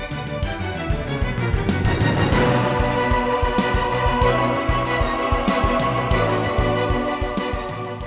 kasian sama keisha